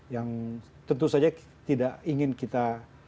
yang tentu saja tidak ingin kita